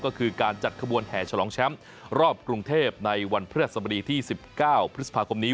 ก็คือการจัดขบวนแห่ฉลองแชมป์รอบกรุงเทพในวันพฤษบดีที่๑๙พฤษภาคมนี้